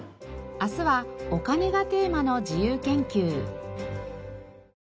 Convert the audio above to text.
明日はお金がテーマの自由研究。